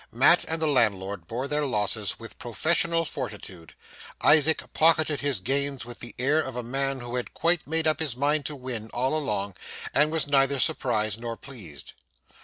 Mat and the landlord bore their losses with professional fortitude. Isaac pocketed his gains with the air of a man who had quite made up his mind to win, all along, and was neither surprised nor pleased.